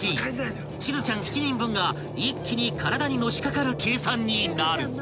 ［しずちゃん７人分が一気に体にのしかかる計算になる］